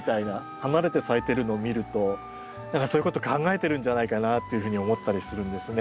離れて咲いてるのを見るとそういうこと考えてるんじゃないかなっていうふうに思ったりするんですね。